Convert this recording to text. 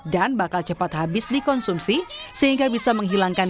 dan bakal cepat habis dikonsumsi sehingga bisa menghilangkan